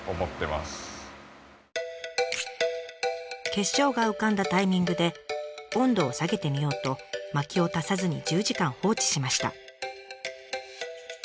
結晶が浮かんだタイミングで温度を下げてみようと薪を足さずに１０時間放置しました。